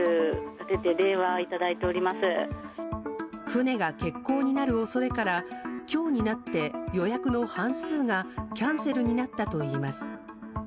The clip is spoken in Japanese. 船が欠航になる恐れから今日になって予約の半数がキャンセルになったといいます。